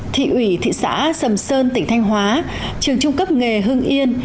thị ủy thị xã sầm sơn tỉnh thanh hóa trường trung cấp nghề hưng yên